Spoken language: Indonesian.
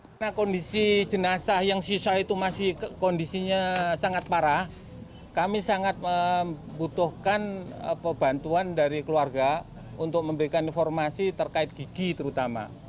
karena kondisi jenazah yang susah itu masih kondisinya sangat parah kami sangat membutuhkan pebantuan dari keluarga untuk memberikan informasi terkait gigi terutama